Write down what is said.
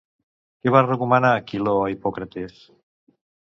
Què va recomanar Quiló a Hipòcrates?